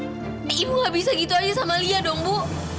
ibu gak bisa gitu aja sama lia dong bu